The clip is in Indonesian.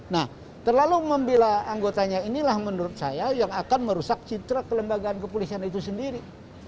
nah terlalu membela anggotanya inilah menurut saya yang akan merusak citra kelembagaan kepolisian itu sendiri